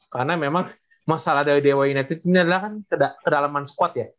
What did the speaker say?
karena memang masalah dari dewa united ini adalah kan kedalaman squad ya